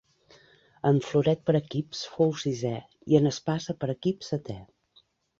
En floret per equips fou sisè i en espasa per equips setè.